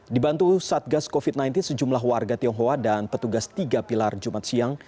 dibantu satgas covid sembilan belas sejumlah warga tionghoa dan petugas tiga pilar jumat siang